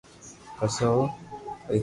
پسي او رآڪارد ۾ لاوي